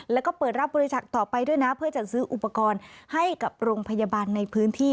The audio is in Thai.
แล้วก็เปิดรับบริจาคต่อไปด้วยนะเพื่อจัดซื้ออุปกรณ์ให้กับโรงพยาบาลในพื้นที่